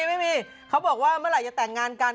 ไม่มีเขาบอกว่าเมื่อไหร่จะแต่งงานกัน